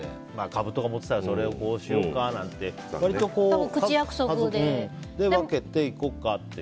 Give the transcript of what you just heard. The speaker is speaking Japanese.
株とか持ってたらそれをこうしようかなんて割と家族で分けていこうかって。